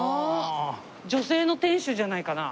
女性の店主じゃないかな？